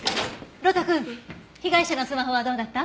呂太くん被害者のスマホはどうだった？